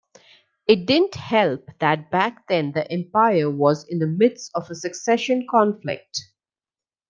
It didn't help that back then the empire was in the midst of a succession conflict.